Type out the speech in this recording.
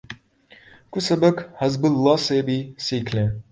کچھ سبق حزب اللہ سے بھی سیکھ لیں۔